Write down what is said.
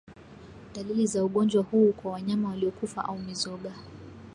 Dalili za ugonjwa huu kwa wanyama waliokufa au mizoga